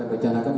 ada di sini